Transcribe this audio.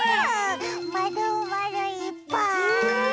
まるまるいっぱい！